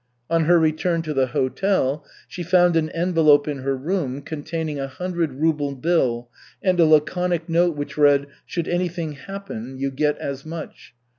On her return to the hotel, she found an envelope in her room containing a hundred ruble bill and a laconic note which read: "Should anything happen, you get as much.